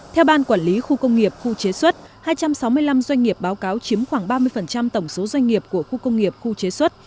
theo ban quản lý khu công nghiệp khu chế xuất hai trăm sáu mươi năm doanh nghiệp báo cáo chiếm khoảng ba mươi tổng số doanh nghiệp của khu công nghiệp khu chế xuất